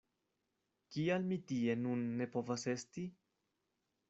Kial mi tie nun ne povas esti?